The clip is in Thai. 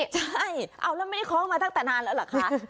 ใช่เอาแล้วไม่ได้เคาะมาตั้งแต่นานแล้วเหรอคะ